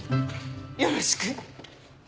よろしく！